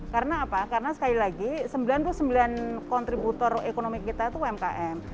karena apa karena sekali lagi sembilan puluh sembilan kontributor ekonomi kita itu umkm